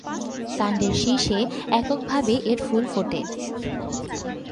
কাণ্ডের শীর্ষে একক ভাবে এর ফুল ফোটে।